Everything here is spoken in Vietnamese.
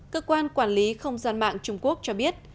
cơ quan quản lý không gian mạng trung quốc cho biết